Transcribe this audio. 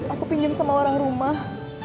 aku ingin sama orang rumah